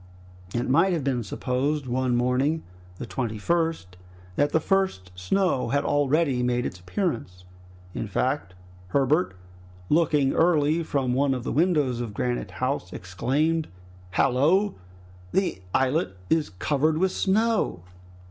It might have been supposed one morning the 21 st that the first snow had already made its appearance. In fact Herbert looking early from one of the windows of Granite House, exclaimed, "Hallo! the islet is covered with snow!"